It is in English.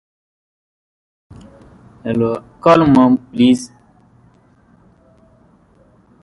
The Regular Army was now composed of three Brigades.